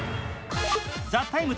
「ＴＨＥＴＩＭＥ，」